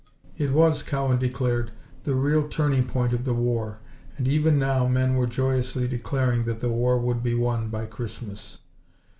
It was, Cowan declared, the real turning point of the war, and even now men were joyously declaring that the war would be won by Christmas.